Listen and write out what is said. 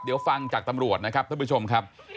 เดี๋ยวฟังจากตำรวจนะครับท่านผู้ชมครับ